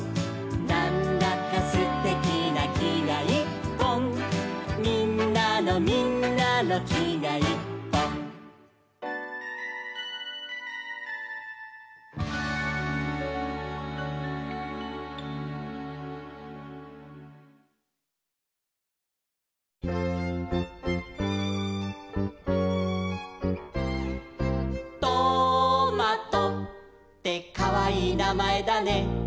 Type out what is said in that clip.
「なんだかすてきなきがいっぽん」「みんなのみんなのきがいっぽん」「トマトってかわいいなまえだね」